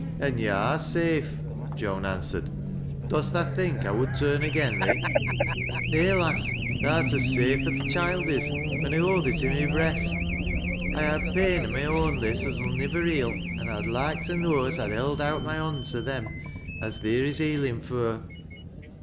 " An' yo' are sale," Joan answered. " Dost tha^' think I would turn ageu thee ? Nay, lass ; tha'rt as safe as th' choild is, when I hold it i' my breast. I ha' a pain o' my own, Liz, as'll nivver heal, an' I'd loike to know as I'd held out my hond to them as theer is healin' fur.